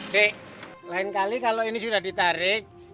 dek lain kali kalau ini sudah ditarik